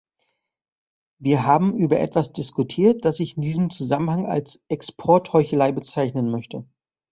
Wir haben über etwas diskutiert, das ich in diesem Zusammenhang als Exportheuchelei bezeichnen möchte.